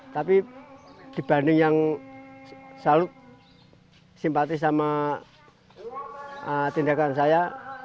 tapi dibanding yang selalu simpati sama tindakan saya